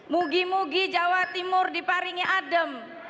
mugi mugi jawa timur diparingi adem